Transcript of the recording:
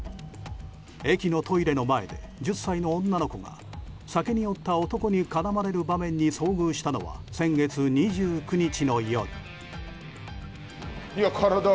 駅のトイレの前で１０歳の女の子が酒に酔った男に絡まれる場面に遭遇したのは先月２９日の夜。